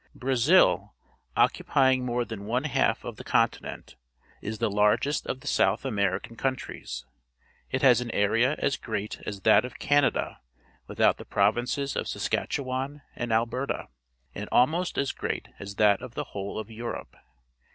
— Brazil, occupying more than one half of the con tinent, is the largest of the South American countries. It has an area as great as that of Canada without the provinces of Sas katchewan and Alberta, and almost as great as that of the whole of Europe.